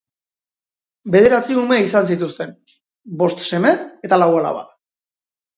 Bederatzi ume izan zituzten, bost seme eta lau alaba.